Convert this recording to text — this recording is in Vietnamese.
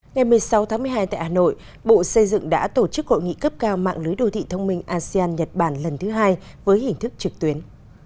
ngày một mươi sáu tháng một mươi hai tại hà nội bộ xây dựng đã tổ chức hội nghị cấp cao mạng lưới đô thị thông minh asean nhật bản lần thứ hai với hình thức trực tuyến